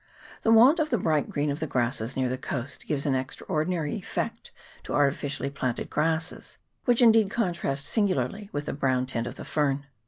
The want of the bright green of the grasses near the coast gives an extraordinary effect to artificially planted grasses, which indeed contrast singularly with the brown tint of the fern.